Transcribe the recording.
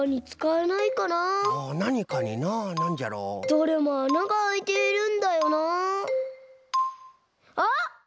どれも「あながあいている」んだよな。あっ！